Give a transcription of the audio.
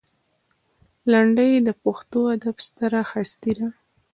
لنډۍ د پښتو ادب ستره هستي ده.